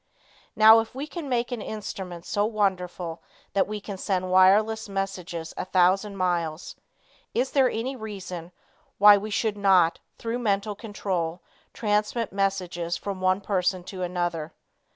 Now, if we can make an instrument so wonderful that we can send wireless messages a thousand miles, is there any reason why we should not through mental control transmit messages from one person to another?